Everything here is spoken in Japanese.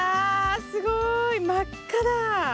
すごい真っ赤だ！